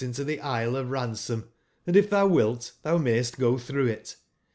^ to tbe Isle of Ransom, & if tbou wilt, tbou fmayst go tbrougb it.